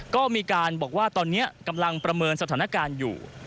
ก็มีการบอกว่าตอนนี้กำลังประเมินสถานการณ์อยู่